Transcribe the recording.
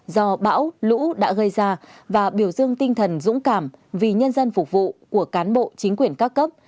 do bão lũ đã gây ra và biểu dương tinh thần dũng cảm vì nhân dân phục vụ của cán bộ chính quyền các cấp